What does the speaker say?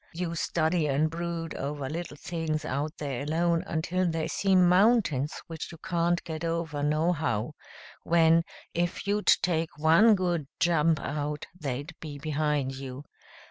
You study and brood over little things out there alone until they seem mountains which you can't get over nohow, when, if you'd take one good jump out, they'd be behind you.